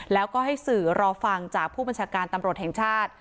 แล้วก็ให้สื่อรอฟังจากผู้บัญชาการตำรวจแห่งชาติ